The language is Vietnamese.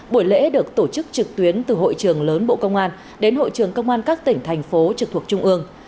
buổi lễ được tổ chức trực tuyến từ hội trường lớn bộ công an đến hội trường công an các tỉnh thành phố trực thuộc trung ương